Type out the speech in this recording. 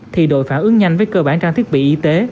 thì đội phản ứng nhanh với cơ bản trang thiết bị y tế